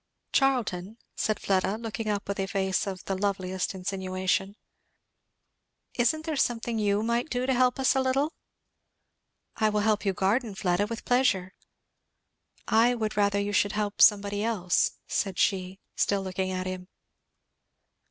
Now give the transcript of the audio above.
"Charlton," said Fleda looking up with a face of the loveliest insinuation. "isn't there something you might do to help us a little?" "I will help you garden, Fleda, with pleasure." "I would rather you should help somebody else," said she, still looking at him.